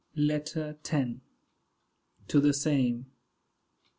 LETTER LX. TO THE SAME.